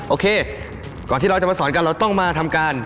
โอเคก่อนที่เราจะมาสอนกัน